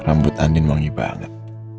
rambut andi manggih banget